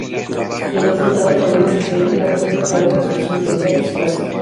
De los resultados podemos inferir un posible fraude en las acciones de Jacques Fresco.